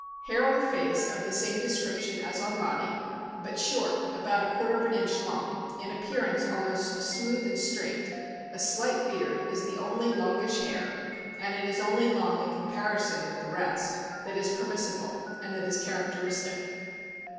Hair on face of same description as on body, but short (about a quarter of an inch long), in appearance almost smooth and straight; a slight beard is the only longish hair (and it is only long in comparison with the rest) that is per missible, and that is characteristic.